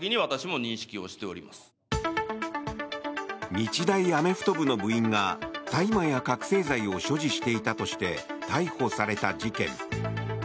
日大アメフト部の部員が大麻や覚醒剤を所持していたとして逮捕された事件。